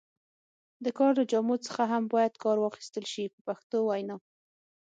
د کار له جامو څخه هم باید کار واخیستل شي په پښتو وینا.